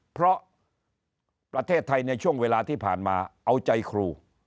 เพราะประเทศไทยในช่วงเวลาที่ผ่านมาเอาใจครู